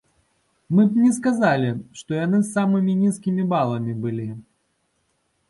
Мы б не сказалі, што яны з самымі нізкімі баламі былі.